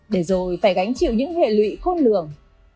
để rồi phải gánh chịu những hệ lụy khôn lường